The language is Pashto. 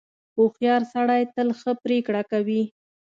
• هوښیار سړی تل ښه پرېکړه کوي.